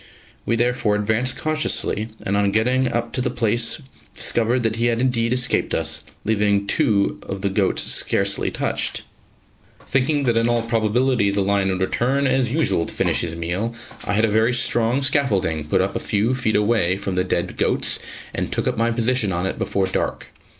We therefore advanced cautiously, and on getting up to the place discovered that he had indeed escaped us, leaving two off the goats scarcely touched. Thinking that in all probability the lion would return as usual to finish his meal, I had a very strong scaffolding put up a few feet away from the dead goats, and took up my position on it before dark.